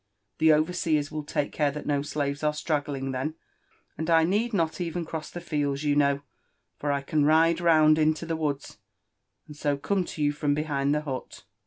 The overseers will take care that no slaves are straggling then ; and I need not even cross the fields, you know, far 9W UFE AND ADVENTURES OF 1 can ride rouod into Ihe wood*, and so come to you from befaiad the but."